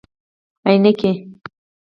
👓 عینکي